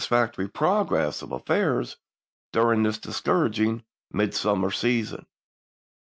factory progress of affairs during this discouraging midsummer season.